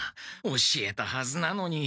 教えたはずなのに。